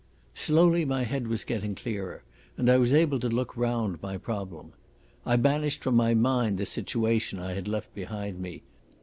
Slowly my head was getting clearer, and I was able to look round my problem. I banished from my mind the situation I had left behind me.